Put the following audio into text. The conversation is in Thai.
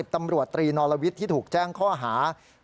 ตำรวจตรีนอลวิทย์ที่ถูกแจ้งข้อหา